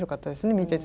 見てて。